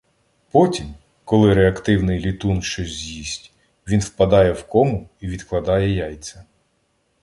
Потім, коли реактивний літун щось з'їсть, він впадає в кому, і відкладає яйця.